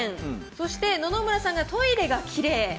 そして、野々村さんがトイレがきれい。